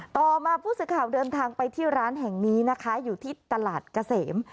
ต่อมาผู้สื่อข่าวเดินทางไปที่ร้านแห่งนี้นะคะอยู่ที่ตลาดเกษม